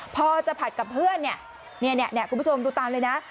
พอจะผัดกับเพื่อนเนี่ยคุณผู้ชมดูตามเลยนะ